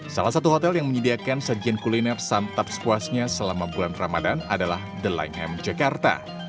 salah satu hotel yang menyediakan sajian kuliner santap sepuasnya selama bulan ramadan adalah the limeham jakarta